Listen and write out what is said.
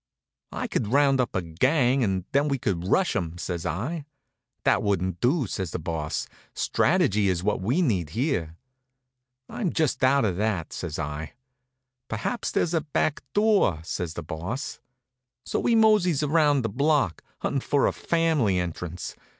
"I could round up a gang and then we could rush 'em," says I. "That wouldn't do," says the Boss. "Strategy is what we need here." "I'm just out of that," says I. "Perhaps there's a back door," says the Boss. So we moseys around the block, huntin' for a family entrance.